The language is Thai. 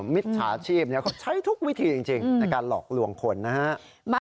มิจฉาชีพเขาใช้ทุกวิธีจริงในการหลอกลวงคนนะฮะ